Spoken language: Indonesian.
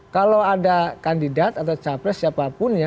kalau ada kandidat atau capres siapapun ya